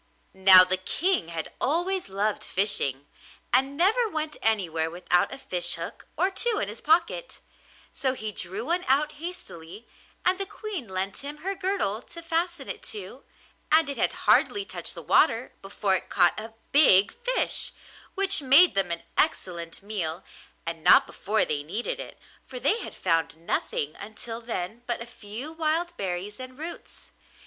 Now the King had always loved fishing, and never went anywhere without a fish hook or two in his pocket, so he drew one out hastily, and the Queen lent him her girdle to fasten it to, and it had hardly touched the water before it caught a big fish, which made them an excellent meal and not before they needed it, for they had found nothing until then but a few wild berries and roots.